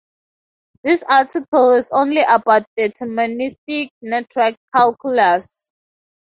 This article is only about deterministic network calculus.